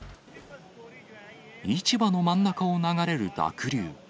市場の真ん中を流れる濁流。